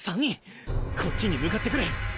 こっちに向かってくる！